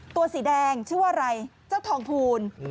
ตัวสีแดงชื่อว่าอะไรจ้าทองพูน